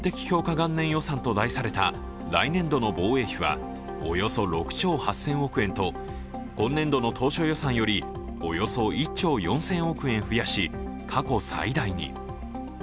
元年予算と題された来年度の防衛費はおよそ６兆８０００億円と今年度の当初予算よりおよそ１兆４０００億円増やし、過去最大に。